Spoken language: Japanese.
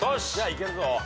いけるぞ。